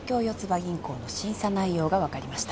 銀行の審査内容がわかりました。